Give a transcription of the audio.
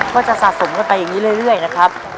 ก็จะสะสมกันไปอย่างนี้เรื่อยนะครับ